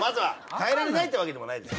変えられないってわけでもない。